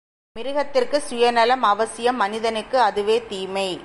மிருகத்திற்குச் சுயநலம் அவசியம் மனிதனுக்கு அதுவே தீமை.